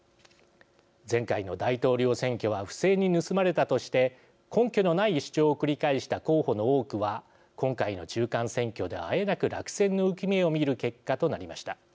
前回の大統領選挙は不正に盗まれたとして根拠のない主張を繰り返した候補の多くは今回の中間選挙であえなく落選の憂き目を見る結果となりました。